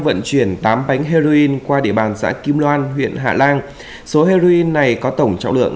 vận chuyển tám bánh heroin qua địa bàn xã kim loan huyện hạ lan số heroin này có tổng trọng lượng